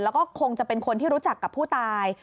แล้วก็คงจะเป็นคนที่รู้จักกับผู้ตาย